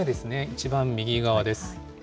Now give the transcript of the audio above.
一番右側です。